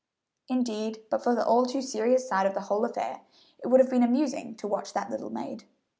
Indeed but for the all too serious side of the whole affair, it would have been amusing to watch that little maid.